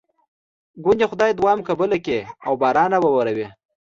ګوندې خدای مو دعا قبوله کړي او باران راواوري.